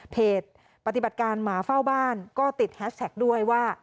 ปฏิบัติการหมาเฝ้าบ้านก็ติดแฮชแท็กด้วยว่า